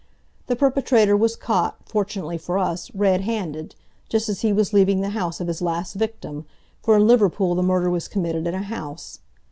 The perpetrator was caught, fortunately for us, red handed, just as he was leaving the house of his last victim, for in Liverpool the murder was committed in a house.